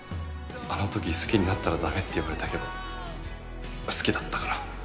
あの時好きになったら駄目って言われたけど好きだったから。